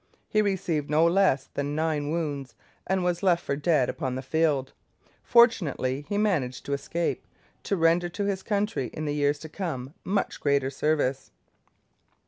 He received no less than nine wounds, and was left for dead upon the field. Fortunately he managed to escape, to render to his country in the years to come much greater service.